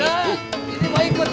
ini mau ikut ce